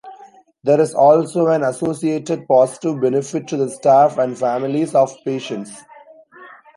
There is also an associated positive benefit to the staff and families of patients.